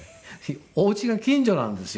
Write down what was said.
お家が近所なんですよ。